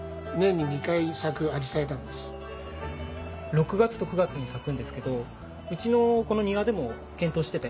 ６月と９月に咲くんですけどうちのこの庭でも検討してて。